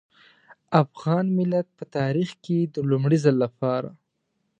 افغان ملت په تاريخ کې د لومړي ځل لپاره.